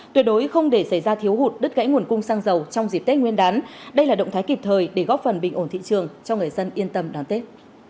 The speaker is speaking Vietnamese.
tuyệt đối không để xảy ra thiếu hụt đứt gãy nguồn cung xăng dầu trong dịp tết nguyên đán đây là động thái kịp thời để góp phần bình ổn thị trường cho người dân yên tâm đón tết